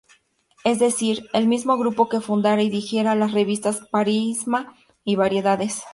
Es decir, el mismo grupo que fundara y dirigiera las revistas "Prisma" y "Variedades".